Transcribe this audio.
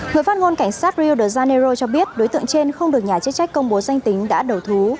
người phát ngôn cảnh sát rio de janeiro cho biết đối tượng trên không được nhà chức trách công bố danh tính đã đầu thú